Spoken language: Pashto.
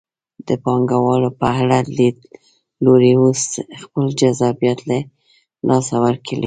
د پانګوالو په اړه لیدلوري اوس خپل جذابیت له لاسه ورکړی.